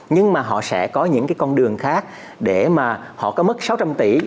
nhưng mà họ sẽ có những cái con đường khác để mà họ có mất sáu trăm linh tỷ